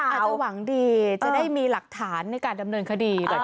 อาจจะหวังดีจะได้มีหลักฐานในการดำเนินคดี